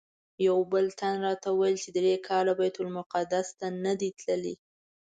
یو بل تن راته ویل چې درې کاله بیت المقدس ته نه دی تللی.